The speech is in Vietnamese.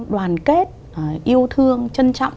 đoàn kết yêu thương trân trọng